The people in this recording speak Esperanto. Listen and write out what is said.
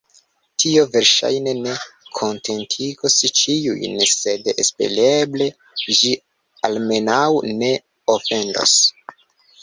Tio verŝajne ne kontentigos ĉiujn, sed espereble ĝi almenaŭ ne ofendos.